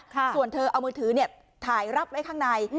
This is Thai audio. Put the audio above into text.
ส่วนเธอเอามือถือเนี่ยถ่ายรับไว้ข้างใน